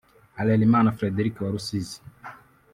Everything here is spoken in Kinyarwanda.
Harerimana Frederic wa Rusizi